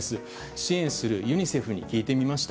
支援するユニセフに聞いてみました。